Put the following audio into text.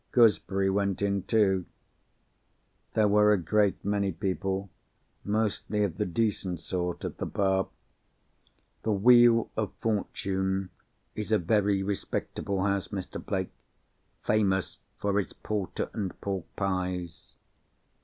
Gooseberry went in too. There were a great many people, mostly of the decent sort, at the bar. 'The Wheel of Fortune' is a very respectable house, Mr. Blake; famous for its porter and pork pies."